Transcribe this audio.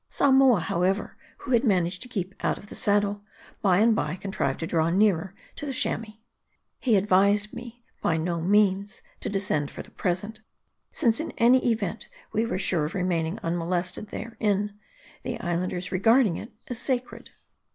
Samoa, however, who had managed to keep out of the saddle, by and by con trived to draw nearer to the Chamois. He advised me, by no means to descend for the present ; since in any event we were sure of remaining unmolested therein ; the Islanders regarding it as sacred.